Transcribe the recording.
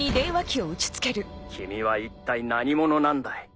君は一体何者なんだい？